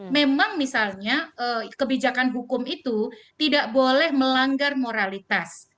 memang misalnya kebijakan hukum itu tidak boleh melanggar moralitas